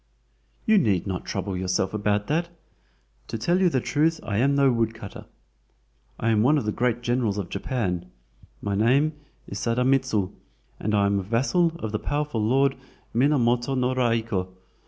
"You need not trouble yourself about that. To tell you the truth I am no woodcutter! I am one of the great generals of Japan. My name is Sadamitsu, and I am a vassal of the powerful Lord Minamoto no Raiko.